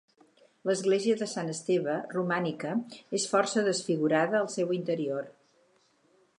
L’església de Sant Esteve, romànica, és força desfigurada al seu interior.